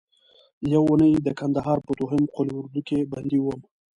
یوه اونۍ د کندهار په دوهم قول اردو کې بندي وم.